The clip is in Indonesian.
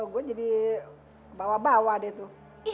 gue jadi bawa bawa dia tuh